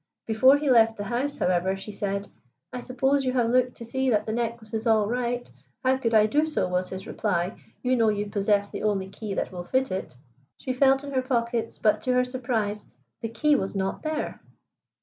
Before he left the house, however, she said: 'I suppose you have looked to see that the necklace is all right?' 'How could I do so?' was his reply. 'You know you possess the only key that will fit it!' "She felt in her pockets, but to her surprise the key was not there."